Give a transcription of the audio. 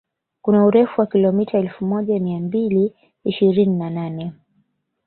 Kuna urefu wa kilomita elfu moja mia mbili ishirini na nane